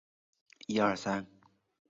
目前也是杨氏蜥的一个次异名。